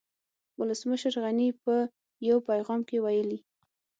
ولسمشر غني په يو پيغام کې ويلي